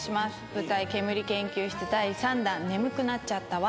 舞台ケムリ研究室第３弾『眠くなっちゃった』は。